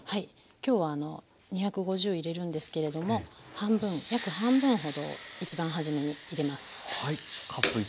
今日は２５０入れるんですけれども約半分ほどを一番初めに入れます。